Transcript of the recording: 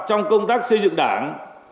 trong công tác xây dựng đảng